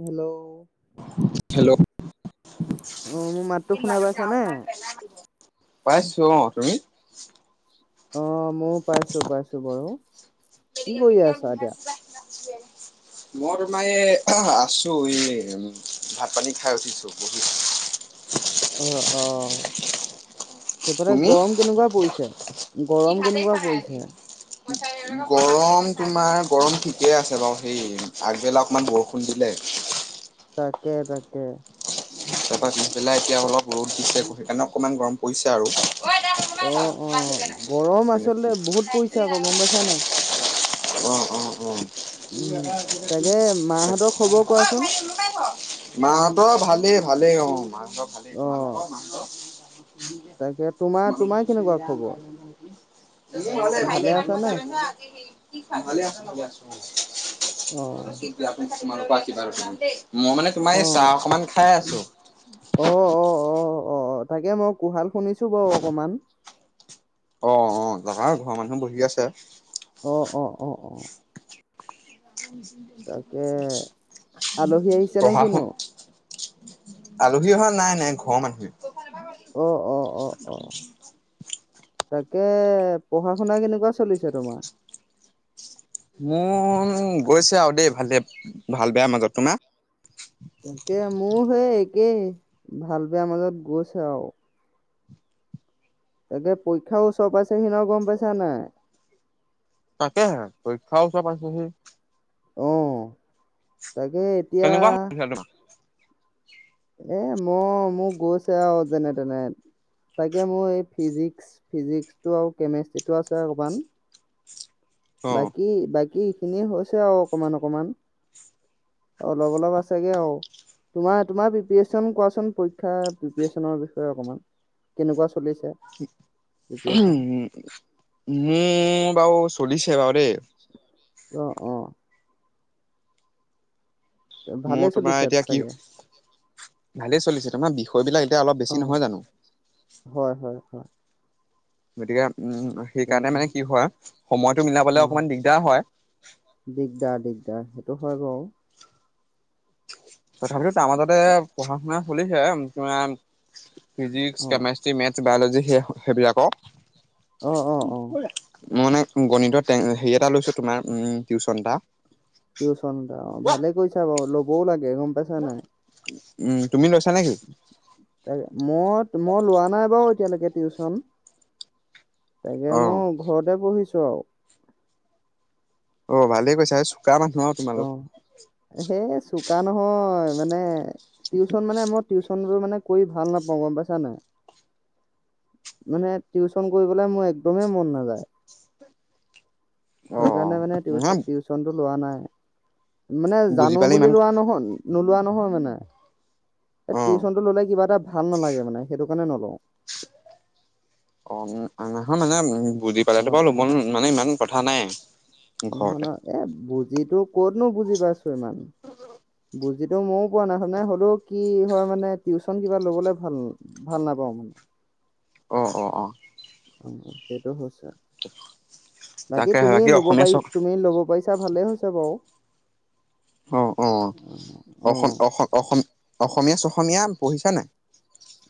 Hello hello মোৰ মাতটো শুনা পাইছানে? পাইছো অ তুমি [unintelligible] অ ময়ো পাইছো পাইছো বাঈ কি কৰি আ আছা এতিয়া মই তোমাৰ এই আছো এই উম ভাত পানী খাই উঠিছো বহিছো অ অ সেইফালে তুমি গৰম কেনেকোৱা পৰিছে গৰম কেনেকোৱা পৰিছে গৰম তোমাৰ গৰম ঠিকে আছে বাৰু। সেই আগবেলা অকমান বৰষুণ দিছিলে। তাকে, তাকে। তাৰপৰা পিছবেলাই এতিয়া অলপ ৰ'দ দিছে, সেইকাৰণে অকণমান গৰম পৰিছে আৰু। অ, অ গৰম আচলতে বহুত পৰিছে আকৌ গম পাইছানে নাই? অ, অ, অ। উম তাকে মাহঁতৰ খবৰ কোৱাচোন [unintelligible] মাহঁতৰ ভালেই। ভালেই অ মা ভালেই, অ তোমালোকৰ? তাকে তোমালোক তোমাৰ-তোমাৰ কেনেকুৱা খবৰ? মোৰ ভালে, ভালে। আছো। অ [unintelligible] [unintelligible] মই মানে তোমাৰ অ এই চাহ অকমান খাই আ অ, অ, অ। অ, তাকে মই কুহাল শুনিছো বাৰু অকমান। অ, অ। যাবা ঘৰৰ মানুহ বহি আছে। অ, অ, অ, অ। তাকে আলহী আহিছে নে পঢ়া শুন কিনো আলহী অহা নাই নাই ঘৰৰ মানুহে। অ, অ। অ, অ। তাকে পঢ়া শুনা কেনেকুৱা চলিছে তোমাৰ? মোৰ গৈছে আৰু দেই, ভালে ভাল বেয়া মাজত তোমাৰ? তাকে মোৰ সেই একেই ভাল বেয়া মাজত গৈছে আৰু। তাকে পৰীক্ষা ওচৰ পাইছে সি ন গম পাইছা নাই? তাকে হে পৰীক্ষাও উচৰ পাইছে হি। অ। তাকে এতিয়া কেনেকুৱা হৈছে তোমাৰ [inaudible] এ মই মোক গৈছে আৰু যেনে তেনে। তাকে মোৰ এই ফিজিক্স ফিজিক্সটো আৰু কেমেষ্ট্ৰিটো আছে অকমান। অ। বাকী বাকী কি এইখিনিয়ে হৈছে আৰু অকমান অকমান। অলপ, অলপ আছেগে আৰু। তোমাৰ, তোমাৰ প্ৰিপচন কোৱাচোন পৰীক্ষা প্ৰিপেৰেচনৰ বিষয়ে অকমান কেনেকুৱা চলিছে প্ৰিপেৰেচন মু বাও পুলিচ সেৱ দেই। অ' অ'। ভালেই মোৰ তোমাৰ চলিছে এতিয়া কি, চাগে ভালেই চলিছিল। তোমাৰ বিষয়বিলাক অ' হয় হয় হয়। [unintelligible] উম সেইকাৰণে তাকে মানে কি হয়? সময়টো মিলাবলে অ অকমান দিগদাৰ হয়। দফাগাঁও তথাপিতো তাৰ মাজতে পঢ়া-শুনা চলিছে। [unintelligible] ফিজিক্স, অ কেমেষ্ট্ৰ্ৰী, মেটছ বায়'লজী সেই, সেইবিলাকক। অ অ অ [unintelligible] মই মানে গণিতত হেৰি এটা লৈছোঁ, তোমাৰ টিউচন এটা। টিউচনটা, অ' ভালে কৈছা বাৰু। ল'বও লাগে গম পাইছা নাই? উম। তুমি লৈছা নেকি? মই - মই লোৱা নাই বাৰু! এতিয়ালৈকে টিউচন। তাকে অ মই ঘৰতে পঢ়িছো। [unintelligible] অ' ভালে কৈছা [unintelligible] তোমালোক অ' সে চু কা নহয় মানে! টিউচন মানে, মই টিউচন কৰি ভাল নাপাওঁ গম পাইছা নাই! মানে টিউচন কৰিবলৈ মোৰ একদমেই মন নাযায়। অ সেইকাৰণে মানে নহয় টি-টিউচনটো। লোৱা নাই। মানে বুজি জানো পালে ইমান বুলি লোৱা নহ'ল। নোলোৱা নহয় মানে! এ অ টিউচনটো ল'লে কিবা এটা ভাল নালাগে মানে। সেইটো কাৰণে নলওঁ। অ' নহয় মানে, উম বুজি অ পালেতো বাৰু অ [unintelligible] মানে ইমান কথা নাই। ঘৰতে নু বুজি পাইছো ইমান? বুজিতো ময়ো পোৱা নাই, নে হ'লেও কি হয় মানে, টিউচন কিবা ল'বলৈ ভাল, ভাল নাপাওঁ মই অ অ অ অ সেইটো হ বাকী তাকে তুমি ল'ব অসমীয়া পাৰি চক তুমি ল'ব পাৰিছ ছা ভালেই হৈছে বাৰু অ অ অ অসম অসম অসম অসমীয়া চ অসমীয়া পঢ়িছা নাই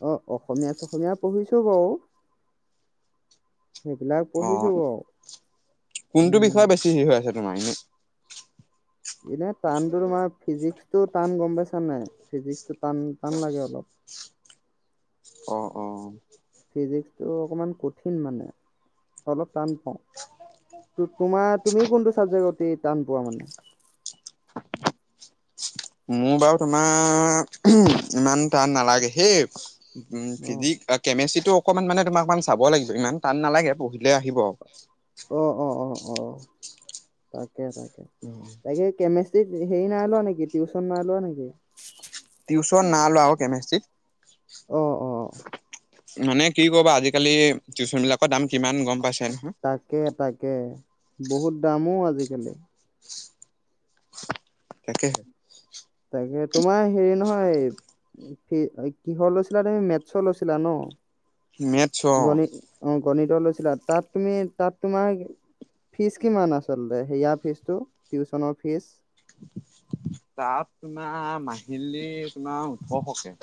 অ অসমীয়া ছসমীয়া পঢ়িছো বাৰু সেইবিলাক অ পঢ়িছো বাৰু। কোনটো উম বিষয়ে বেছি হেই হৈ আছে তোমাৰ এনে এনে টানতো তোমাৰ ফিজিক্স টো টান গম পাইছা নাই ফিজিক্স টো টান, টান লাগে অলপ অ অ ফিজিক্সটো অকমান কঠিন মানে অলপ টান পাওঁ তো তোমাৰ তুমি কোনটো চাবজেক্ট অতি টান পোৱা মানে মোৰ বাৰু তোমাৰ উমহ ইমান টান নালাগে হেই উম অ ফিজিক আ কেমেষ্ট্ৰি অকমান মানে তোমা অকমান চাব লাগিব ইমান টান নালাগে পঢ়িলে আহিব অ অ অ অ তাক কে তাকে তাকে কেমেচ টিত হেৰি নাই লোৱা নেকি টিউচন নাই লোৱা নেকি টিউচন না লোৱা অ কেমেষ্ট্ৰিত অ অ অ মানে কি কবা আজিকালি টিউচন বিলাকৰ দাম কিমান গম পাইছা তাকে তাকে বহুত দাম ও আজিকালি তাকেহে তাকে সেই কিহৰ লৈছিলা তুমি মেথছৰ লৈছিলা ন মেথছ অ অ গণিত লৈছিলা তাত তুমি তাত তোমাৰ ফিজ কিমান আচলতে সেয়া ফীজটো টিউচনৰ ফিজ তাত তোমাৰ মাহিলী তোমাৰ ওঠৰশকে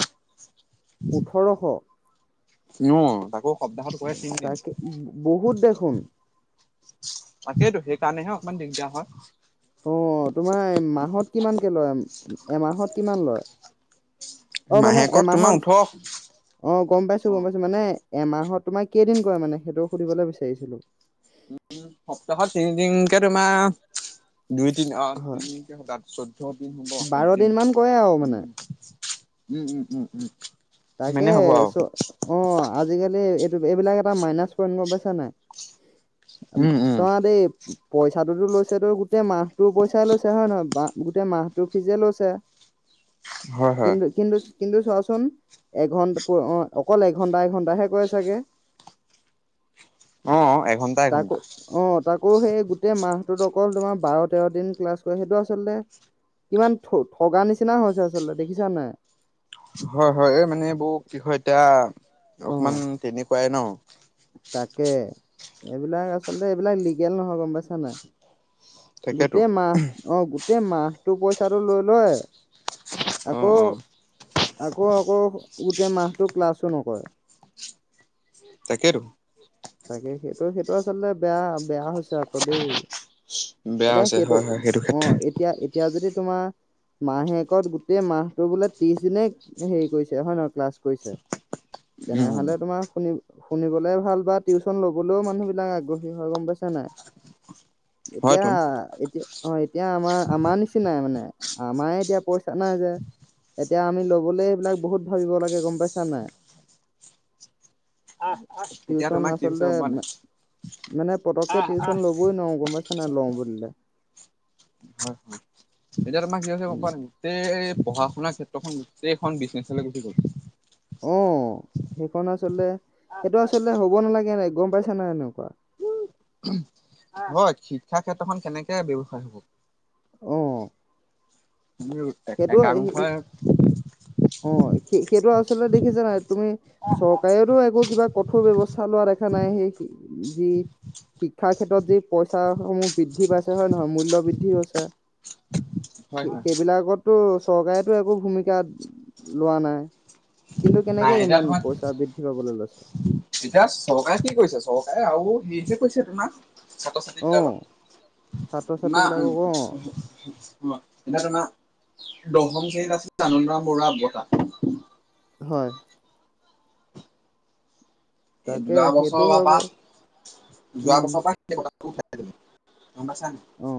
ওঠৰশ ন তাকো সপ্তাহত কৰে তিনদিন তাকে ব বহুত দেখোন তাকেটো সেইকাৰণেহে অকমান দিকদাৰ হয় অ তোমাৰ মাহত কিমানকে লয় এমাহত কিমান লয় অ মানে মাহেকত তোমাৰ এমাহত ওঠৰ অ অ গম পাইছোঁ গম পাইছোঁ মানে এমাহ তোমাৰ কেইদিন কৰে মানে সেইটো সুধিবলৈ বিচাৰিছিলো উম সপ্তাহত তিনিদিনকে তোমা দুই তিনি আহ হয় তিনি দিন চৌধ্য দিন হ'ব বাৰ সাতদিন দিন মান কৰে আৰু মানে তিনিদিন উম উম উম উম তাকে মানে হ'ব আৰু চ অ আজিকালি এইবিলাক এটা মাইনাচ পইণ্ট গম পাইছা নাই? উম উম চোৱা দেই। পইচাটোতো লৈছেতো গোটেই মাহটোৰ পইচাই লৈছে হয় নহয়? গোটেই মাহটোৰ ফিজে লৈছে। হয় হয় কিন্তু, কিন্তু কিন্তু চোৱাচোন এঘন্টা অ', অকল এঘন্টা-এঘন্টাহে কৰে চাগে? অ', এঘন্টা-এঘণ্টা। আকৌ সেই গোটেই মাহটোত অকল তোমাৰ বাৰ-তেৰ দিন ক্লাছ কৰে, সেইটো আচলতে কিমান ঠগা নিচিনা হৈছে আচলতে, দেখিছা নে? হয় হয়, এই মানে এইবোৰ কি হয় এতিয়া! অ অকমান তেনে কোৱাই ন? তাকে, এইবিলাক আচলতে, এইবিলাক লিগেল নহয় গম পাইছা নাই? তাকেতো গোটেই মাহ, অ' গো টেই মাহটো পইচাটো লৈ লয়। অ আকৌ, অ আকৌ- আকৌ গোটেই মাহটো ক্লাছো নকৰে। তাকেটো। তাকে সেইটো, সেইটো আচলতে বেয়া, বেয়া আকৌ দেই। বেয়া এতিয়া হৈছে সেইটো, হয় হয় ক্ষেত্ৰত অ' এতিয়া-এতিয়া যদি তোমাৰ, মাহেকত গোটেই মাহটো বোলে ত্ৰিশ দিনে, হেৰি কৰিছে হয় নহয়? ক্লাছ কৰিছে। উম তেনেহ'লে তোমাৰ শুনি শুনিবলে ভাল, বাট টিউচন ল'বলৈও মানুহবিলাক আগ্ৰহী হয়, গম পাইছা নাই? এতিয়া, হয়তোন এতিয়া অ' এতিয়া আমাৰ-আমাৰ নিচিনাই মানে! আমাৰে এতিয়া পইচা নাই যে, এতিয়া আমি ল'বলৈ সেইবিলাক বহুত ভাবিব লাগে গম পাইছা নাই? [unintelligible] এতিয়া [unintelligible] তোমাৰ কি হৈছে আচলতে, গম পোৱা নাই মানে পতককে টিউচন ল'বই নোৱাৰো গম পাইছা [unintelligible] লও বুলিলে হয় হয়। এতিয়া তোমাৰ কি হৈছে গম উম পোৱা নে? গোটেই পঢ়া-শুনাৰ ক্ষেত্ৰত [unintelligible] গোটেইখন বিজনেছলৈ গুচি গ'ল। অ', সেইখন আচলতে, সেইটো আচলতে হ'ব নালাগে ন গম পাইছে নাই এনেকুৱা! হয় শিক্ষা ক্ষেত্ৰখন কেনেকে ব্যৱসায় হ'ব? অ'। সেইটো, একাংশই অ' সেই-সেইটো আৰু দেখিছে নাই তুমি চৰকাৰেতো একো কিবা কঠোৰ ব্যৱস্থা লোৱা দেখা নাই সেই যি শিক্ষাৰ ক্ষেত্ৰত যি পইচা সমূহ বৃদ্ধি পাইছে হয় নহয় মূল্য় বৃদ্ধিছে হয় হয় স সেইবিলাকত চৰকাৰেতো একো ভূমিকা লোৱা নাই কিন্তু কেনেকে নাই এতিয়া ইমান তোমাৰ পইচা বৃদ্ধি পাবলৈ লৈছে এতিয়া চৰকাৰে কি কৰিছে চৰকাৰে আৰু। সেই যে পইছোটো ন ছাত্ৰ- ছাত্ৰী অ বিলাকৰ ছাত্ৰ ছাত্ৰী তোমাৰ বিলাকক অ এতিয়া তোমাৰ দশম শ্ৰেণীত আছিল আনন্দ বৰুৱাৰ হয এই তাকে যোৱা সেইটো বছৰৰ হয় পৰা বাৰু যোৱা উম বছৰৰ পৰা উঠাই তুমি তব চান। অ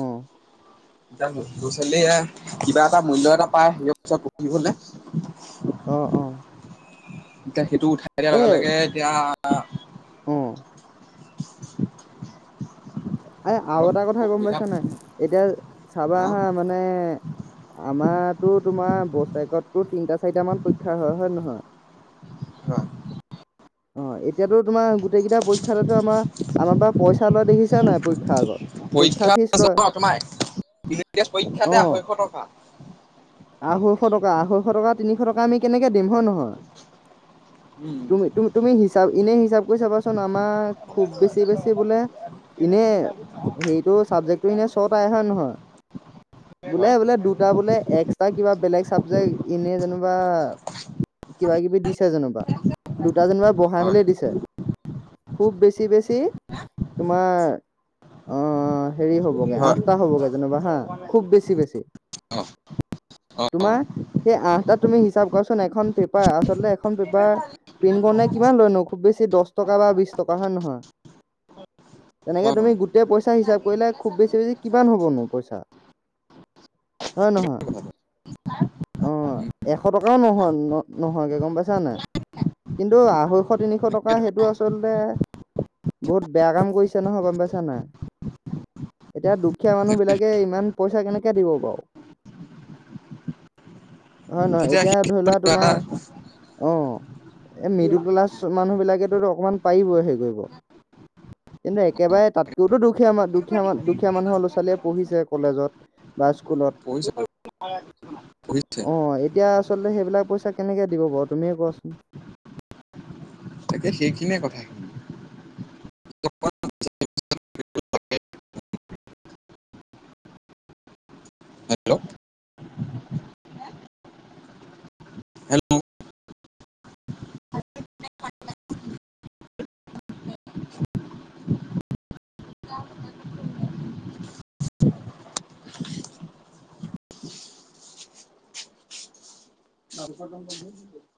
অ ল'ৰা ছোৱালীয়ে কিবা এটা মূল্য এটা পায় সেইবোৰত পঢ়িবলৈ আঁহ অঁ। এতিয়া সেইটো উঠাই দিয়াৰ লগে লগে এতিয়া। অঁ আহঁ এ আৰু এটা অলপ কথা গম অসুবিধা পাইছ নে এতিয়া চাবা হয়। আহা মানে আমাৰো তোমাৰ বচৰেকতো তিনিটা চাৰিটামান পৰীক্ষা হয় হয় নহয়। হ [inaudible] অঁ এতিয়াতো তোমাৰ গোটেই কেইটা পৰীক্ষা আমাৰ আমাৰ পৰা পইচা লয় দেখিছে নাই পৰীক্ষাৰ আগত পৰীক্ষা ফিজ লয় তোমাৰ অ পৰীক্ষাতে আঢ়ৈশ টকা আঢ়ৈশ টকা আঢৈশ টকা তিনিশ টকা আমি কেনেকে দিম হয় নহয়। উম তুমি হিচাপ এনে হিচাপ কৰি চাবাচোন আমাৰ খুব বেছি বেছি বোলে এনে হেৰিটো চাবজেক্টটো এনে শট আ হয়ে নহয়। হয় বোলে বোলে। দুটা বোলে এক্স তটা কিবা বেলেগ চাবজেক্ট এনে যেনোবা কিবাাকিবি দিছে যেনোবা দুটা যেনিবা বঢ়াই মেলি হয় দিছে খুব বেছি বেছি তোমাৰ। হেৰি হ'বগে আঠটা হয় হ'বগে যেনিবা হা খুব বেছি বেছি অ অ তোমাৰ সেই আঠটা তুমি হিচাপ কৰাচোন এখন পেপাৰ আচলতে এখন পেপাৰ প্ৰিন্ট কৰ নে কিমান লয়নো খুব বেছি দহ টকা বা বিশ টকা হয় নহয় হয় তেনেকে হয় তুমি গোটেই পইচাঁ হিচাপ কৰিলে খুব বেছি বেছি কিমান হ'বনো পইচাঁ হয় নহয়। অঁ এশ টকাওঁ নহয় ন নহয়গে গম পাইছা নাই কিন্তু ন্ত আহো এশ তিনিশ টকা সেইটো আচলতে বহুত বেয়া কাম কৰিছে নহয় গম পাইছা নাই এতিয়া দুখীয়া মানুহবিলাকে ইমান পইচা কেনেকৈ দিব বাৰু হয় নহয় এতিয়া সেই ধৰি এটা লোৱা তোমাৰ অ এ মৃদু তলা মানুহ বিলাকে অকণমান পাৰিবই হেৰি কৰিব কিন্তু একেবাৰে তাতকৈওতো দুখীয়া দুখীয়া দুখীয়া মানুহৰ ল'ৰা ছোৱালীয়ে পঢ়িছে কলেজত বা স্কুলত পঢ়িছে পঢ়িছে অ এতিয়া আচলতে সেইবিলাক পইচা কেনেকে দিব বাৰু তুমিয়ে কোৱাচোন তাকে সেইখিনিয়ে কথা হেল্ল' হেল্ল' চাৰ